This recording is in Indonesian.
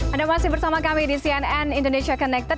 anda masih bersama kami di cnn indonesia connected